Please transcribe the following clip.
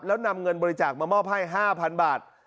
แล้วนำเงินบริจาคมามอบให้๕๐๐๐บาท